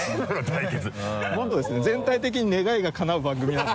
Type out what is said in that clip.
全体的に願いがかなう番組なんで。